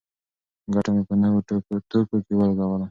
ګټه مې په نوو توکو کې ولګوله.